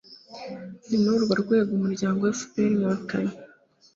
ni muri urwo rwego umuryango fpr-inkotanyi